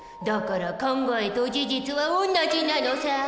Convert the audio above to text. だから考えと事実は同じなのさ。